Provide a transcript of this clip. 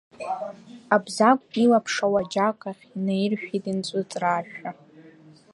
Абзагә илаԥш ауаџьаҟ ахь инаиршәит инцәыҵраашәа.